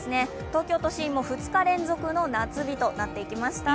東京都心も２日連続の夏日となっていきました。